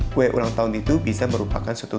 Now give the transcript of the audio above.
kue ulang tahun itu bisa merupakan suatu